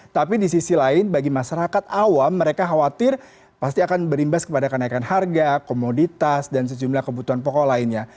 tapi di sisi lain bagi masyarakat awam mereka khawatir pasti akan berimbas kepada kenaikan harga komoditas dan sejumlah kebutuhan pokok lainnya